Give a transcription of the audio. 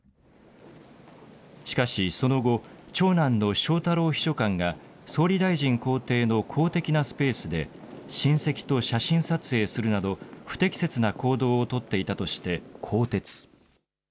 しかし、その後、長男の翔太郎秘書官が総理大臣公邸の公的なスペースで親戚と写真撮影するなど不適切な行動を取っていたとして更迭。